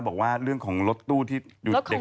บอกว่าเรื่องของรถตู้ที่อยู่เด็ก